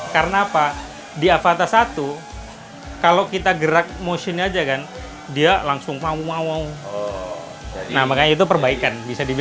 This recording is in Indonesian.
lima ratus empat puluh cc nya videonya betul itu tapi complacency ayo kalau tunggu sebentar dulu ya bagaimana biru kamu